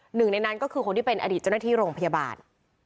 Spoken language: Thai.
หนึ่งในนั้นก็คือคนที่เป็นอดีตเจ้าหน้าที่โรงพยาบาล